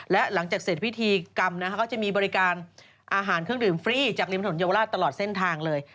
และหลังจากเสร็จพิธีกรรมก็จะมีบริการอาหารเครื่องดื่มฟรีจากริมถนนเยาวราชตลอดเส้นทางเลย